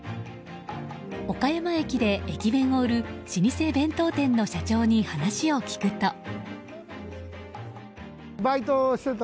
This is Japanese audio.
岡山駅で駅弁を売る老舗弁当店の社長に話を聞くと。